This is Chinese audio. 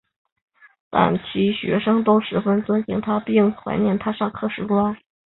但其学生都十分尊敬他并怀念他上课时光。